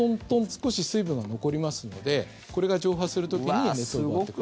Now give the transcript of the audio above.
少し水分が残りますのでこれが蒸発する時に熱を奪ってくれる。